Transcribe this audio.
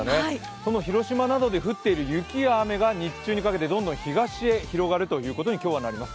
その広島などで降っている雪や雨が、日中にかけてどんどん東へ広がるということに、今日はなります。